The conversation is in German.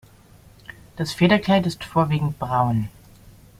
Das Federkleid ist vorwiegend braun.